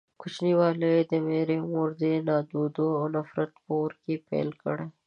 کوچنيوالی يې د ميرې مور د نادودو او نفرت په اور کې پيل کړ.